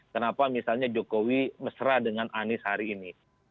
kenapa misalnya jokowi mesra dengan anies hari ini